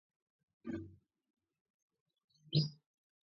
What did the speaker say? ციხე ორ იარუსად ყოფილა განლაგებული.